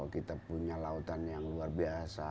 kita punya lautan yang luar biasa